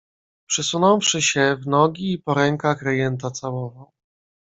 "Przysunąwszy się, w nogi i po rękach rejenta całował."